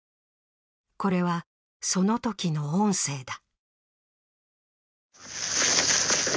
これは、そのときの音声だ。